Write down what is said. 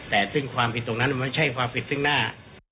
แต่ซึ่งความผิดตรงนั้นมันไม่ใช่ความผิดซึ่งหน้า